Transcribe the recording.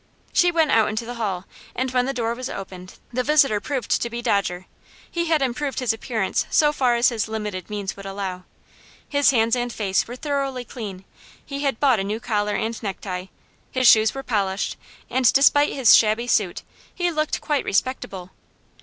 She went out into the hall, and when the door was opened the visitor proved to be Dodger. He had improved his appearance so far as his limited means would allow. His hands and face were thoroughly clean; he had bought a new collar and necktie; his shoes were polished, and despite his shabby suit, he looked quite respectable.